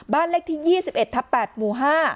บ้านเลขที่๒๑ทับ๘หมู่๕